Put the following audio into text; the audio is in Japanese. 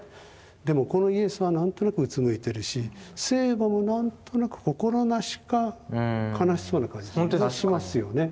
でもこのイエスは何となくうつむいてるし聖母も何となく心なしか悲しそうな感じもしますよね。